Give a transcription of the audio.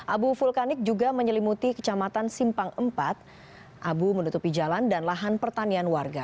abu vulkanik juga menyelimuti kecamatan simpang empat abu menutupi jalan dan lahan pertanian warga